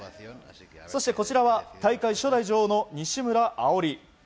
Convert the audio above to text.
そしてこちらは大会初代女王の西村碧莉。